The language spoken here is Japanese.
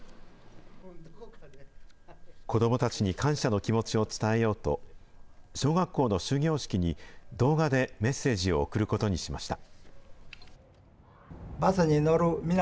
子どもたちに感謝の気持ちを伝えようと、小学校の終業式に動画でメッセージを送ることにしました。